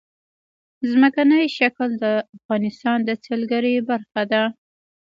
ځمکنی شکل د افغانستان د سیلګرۍ برخه ده.